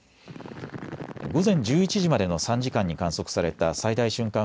午前１１時までの３時間に観測された最大瞬間